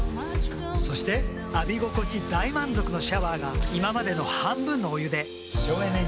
そして浴び心地大満足のシャワーが今までの半分のお湯で省エネに。